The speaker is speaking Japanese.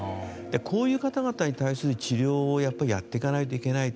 こういう方々に対する治療をやっぱりやっていかないといけないと。